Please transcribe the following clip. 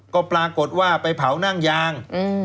ก็ปรากฏว่าไปเผานั่งยาง